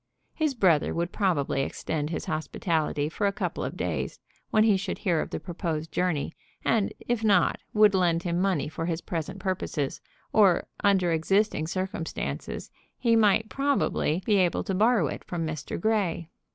His brother would probably extend his hospitality for a couple of days when he should hear of the proposed journey, and, if not, would lend him money for his present purposes, or under existing circumstances he might probably be able to borrow it from Mr. Grey.